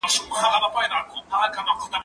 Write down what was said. که وخت وي، مځکي ته ګورم؟!